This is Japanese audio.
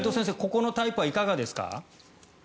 ここのタイプはいかがですか？